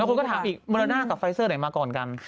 แล้วคนก็ถามอีกมรณากับไฟเซอร์ไหนมาก่อนกัน